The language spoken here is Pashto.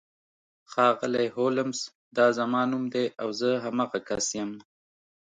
ښاغلی هولمز دا زما نوم دی او زه همغه کس یم